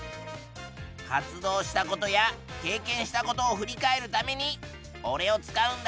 活動したことや経験したことを振り返るためにおれを使うんだ。